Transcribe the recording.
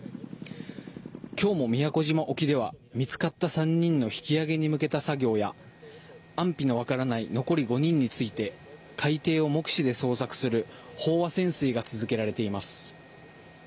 きょうも宮古島沖では見つかった３人の引き上げに向けた作業や、安否の分からない残り５人について、海底を目視で捜索する飽和潜水が続けられています。